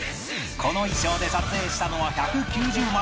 この衣装で撮影したのは１９０枚